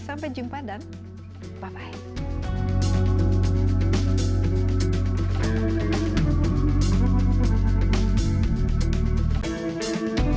sampai jumpa dan bye bye